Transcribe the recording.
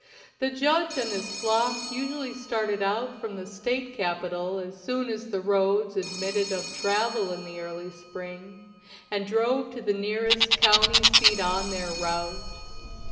The judge and his flock usually started out from the State capital as soon as the roads admitted of travel in the early spring, and drove to the nearest county seat on their route.